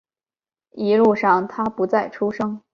一路上他不再出声